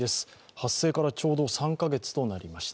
発生からちょうど３か月となりました。